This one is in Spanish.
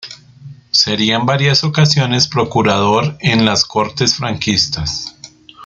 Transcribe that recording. Sería en varias ocasiones procurador en las Cortes franquistas.